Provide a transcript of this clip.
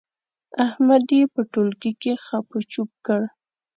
احمد يې په ټولګي کې خپ و چپ کړ.